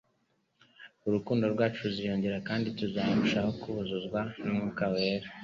urukundo rwacu ruziyongera, kandi tuzarushaho kuzurwa n'Umwuka We.